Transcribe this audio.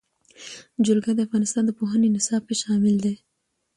جلګه د افغانستان د پوهنې نصاب کې شامل دي.